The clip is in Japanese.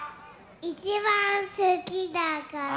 一番好きだから。